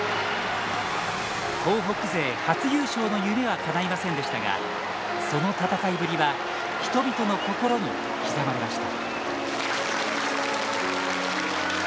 東北勢初優勝の夢はかないませんでしたがその戦いぶりは人々の心に刻まれました。